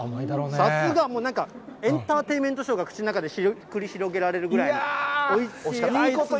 さすが、もうなんかエンターテインメントショーが口の中で繰り広げられるぐらいにおいしいアイス。